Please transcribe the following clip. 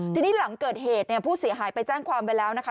ทีนี้หลังเกิดเหตุเนี่ยผู้เสียหายไปแจ้งความไปแล้วนะคะ